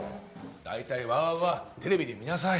大体ＷＯＷＯＷはテレビで見なさい。